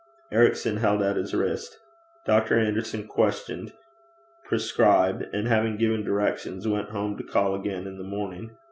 Ericson held out his wrist. Dr. Anderson questioned, prescribed, and, having given directions, went home, to call again in the morning.